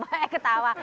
bapak eh ketawa